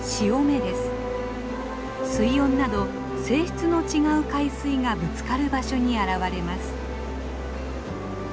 水温など性質の違う海水がぶつかる場所に現れます。